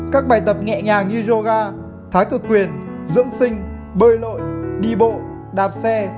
các bài tập nhẹ nhàng như yoga thái cực quyền dưỡng sinh bơi lội đi bộ đạp xe